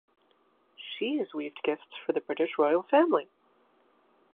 She has weaved gifts for the British royal family.